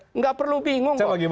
tidak perlu bingung